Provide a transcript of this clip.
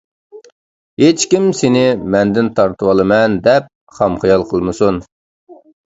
ھېچكىم سېنى مەندىن تارتىۋالىمەن دەپ خام خىيال قىلمىسۇن!